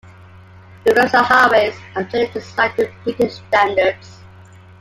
The roads and highways are generally designed to British standards.